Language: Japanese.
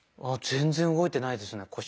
あっ全然動いてないですね